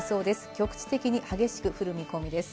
局地的に激しく降る見込みです。